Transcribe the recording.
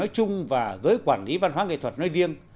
chung và giới quản lý văn hóa nghệ thuật nơi riêng